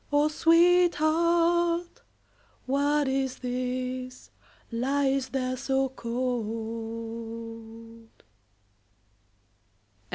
O sweetheart! what is this Lieth there so cold?